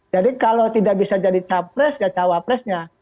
jadi kalau tidak bisa jadi capres ya cawapresnya